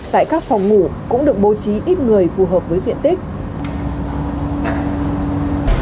tại các phòng ngủ cũng được bố trí ít người phù hợp với diện tích